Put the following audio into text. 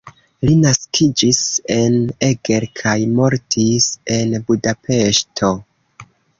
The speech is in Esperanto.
Li naskiĝis en Eger kaj mortis en Budapeŝto.